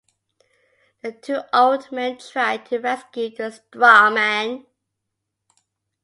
The two old men try to rescue the straw-man.